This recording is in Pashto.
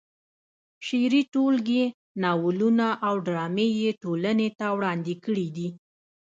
شعري ټولګې، ناولونه او ډرامې یې ټولنې ته وړاندې کړې دي.